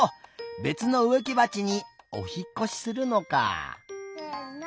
べつのうえきばちにおひっこしするのかあ。